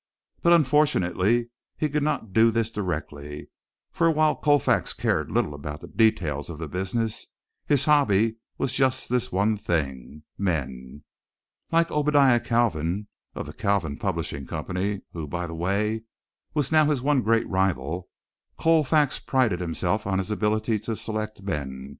But unfortunately he could not do this directly, for while Colfax cared little about the details of the business his hobby was just this one thing men. Like Obadiah Kalvin, of the Kalvin Publishing Company, who, by the way, was now his one great rival, Colfax prided himself on his ability to select men.